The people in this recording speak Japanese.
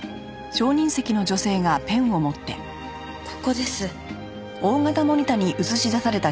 ここです。